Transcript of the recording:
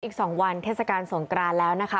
อีก๒วันเทศกาลสงกรานแล้วนะคะ